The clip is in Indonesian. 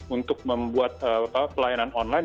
untuk membuat pelayanan online